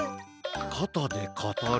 かたでかたる。